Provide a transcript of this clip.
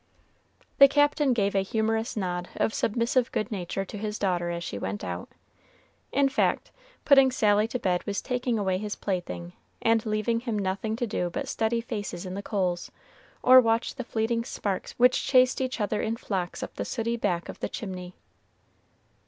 The Captain gave a humorous nod of submissive good nature to his daughter as she went out. In fact, putting Sally to bed was taking away his plaything, and leaving him nothing to do but study faces in the coals, or watch the fleeting sparks which chased each other in flocks up the sooty back of the chimney.